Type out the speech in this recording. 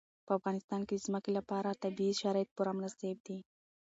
په افغانستان کې د ځمکه لپاره طبیعي شرایط پوره مناسب دي.